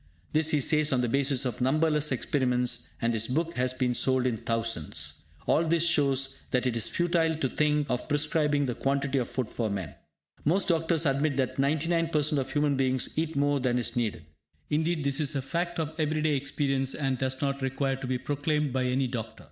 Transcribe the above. This he says on the basis of numberless experiments, and his book has been sold in thousands. All this shows that it is futile to think of prescribing the quantity of food for men. Most doctors admit that 99% of human beings eat more than is needed. Indeed, this is a fact of everyday experience, and does not require to be proclaimed by any doctor.